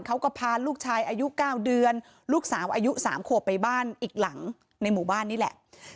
เขาก็พาลูกชายอายุ๙เดือนลูกสาวอายุ๓ขวบไปบ้านอีกหลังในหมู่บ้านนี่แหละ